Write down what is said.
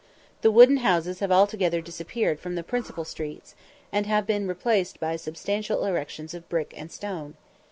The wooden houses have altogether disappeared from the principal streets, and have been replaced by substantial erections of brick and stone.